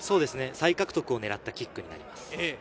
再獲得を狙ったキックになります。